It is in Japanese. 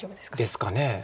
ですかね。